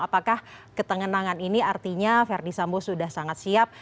apakah ketenangan ini artinya benar sangat siap